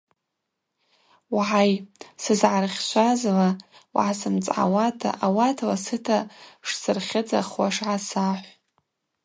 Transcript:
Угӏай, сызгӏархьшвазла угӏасымцӏгӏауата, ауат ласыта шсырхьыдзахуаш гӏасахӏв.